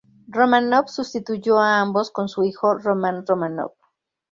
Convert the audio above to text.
Romanov sustituyó a ambos con su hijo, Roman Romanov.